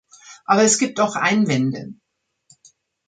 Aber es gibt auch Einwände.